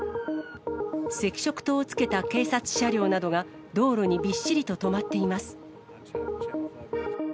赤色灯をつけた警察車両などが道路にびっしりと止まっています。